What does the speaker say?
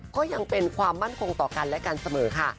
ก็ยังเป็นความมั่นคงต่อกันและกันเสมอค่ะ